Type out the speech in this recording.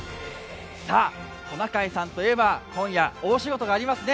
トナカイさんといえば今夜、大仕事がありますね。